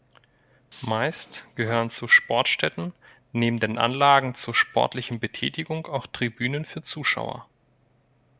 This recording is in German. Meist gehören zu Sportstätten neben den Anlagen zur sportlichen Betätigung auch Tribünen für Zuschauer.